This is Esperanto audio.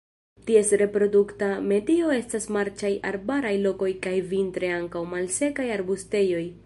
Ties reprodukta medio estas marĉaj arbaraj lokoj kaj vintre ankaŭ malsekaj arbustejoj.